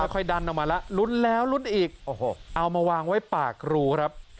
ค่อยดันออกมาแล้วลุ้นแล้วลุ้นอีกโอ้โหเอามาวางไว้ปากรูครับ